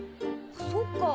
そっか。